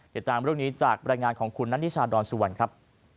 ติดตามเรื่องนี้จากบรรยายงานของคุณนัทนิชาดอนสุวรรณครับ